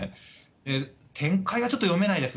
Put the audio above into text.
展開はちょっと読めないです。